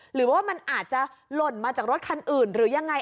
หรือว่ามันอาจจะหล่นมาจากรถคันอื่นหรือยังไง